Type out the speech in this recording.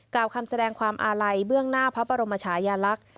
กล่าวคำแสดงความอาลัยเบื้องหน้าพระบรมชายาลักษณ์